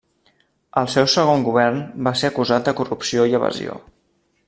El seu segon govern va ser acusat de corrupció i evasió.